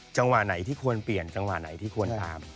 จังหวะไหนที่ควรเปลี่ยนจังหวะไหนที่ควรตาม